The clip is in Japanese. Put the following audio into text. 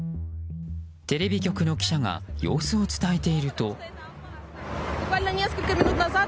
テレビ局の記者が様子を伝えていると。